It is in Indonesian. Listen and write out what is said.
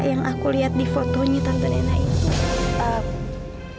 yang aku liat di fotonya tante nena itu